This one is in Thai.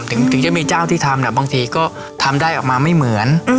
ถึงจะมีเจ้าที่ทำบางทีก็ทำได้ออกมาไม่เหมือน